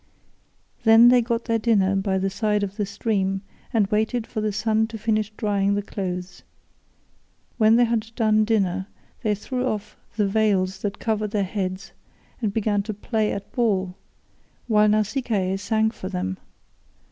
Then they got their dinner by the side of the stream, and waited for the sun to finish drying the clothes. When they had done dinner they threw off the veils that covered their heads and began to play at ball, while Nausicaa sang for them.